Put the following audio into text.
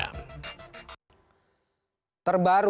terbaru data hasil pcr hasil rapid test dan hasil data yang terbaru